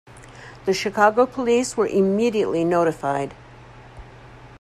The Chicago police were immediately notified.